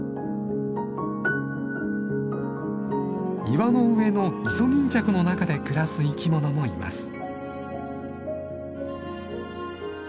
岩の上のイソギンチャクの中で暮らす生きものもいます。